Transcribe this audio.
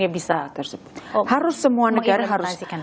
gimana akhirnya bisa tersebut